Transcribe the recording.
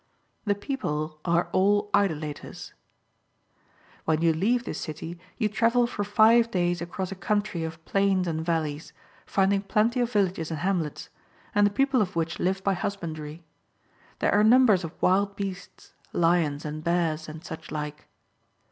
The people are all Idolaters.'* 24 MARCO I'OLO. BOOK II. When you leave this city you travel for five days across a country of plains and valleys, finding plenty of villages and hamlets, and the people of which live by husbandry. There are numbers of wild beasts, lions, and bears, and such like.